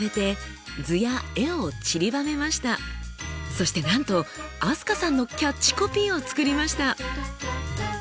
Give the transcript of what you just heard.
そしてなんと飛鳥さんのキャッチコピーを作りました。